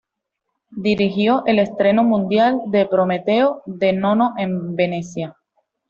Dirigió el estreno mundial de "Prometeo" de Nono en Venecia.